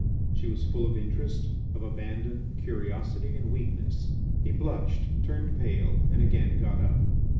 She was full of interest, of abandon, curiosity, and weakness. He blushed, turned pale, and again got up.